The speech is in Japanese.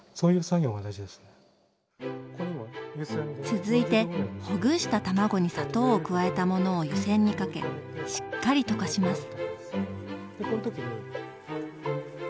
続いてほぐした卵に砂糖を加えたものを湯煎にかけしっかり溶かします。